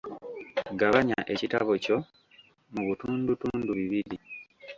Gabanya ekitabo kyo mu butundutundu bibiri.